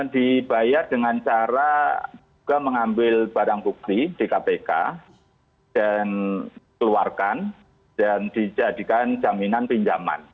dibayar dengan cara juga mengambil barang bukti di kpk dan keluarkan dan dijadikan jaminan pinjaman